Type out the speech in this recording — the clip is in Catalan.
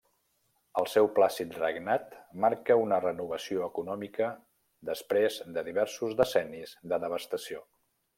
El seu plàcid regnat marca una renovació econòmica després de diversos decennis de devastació.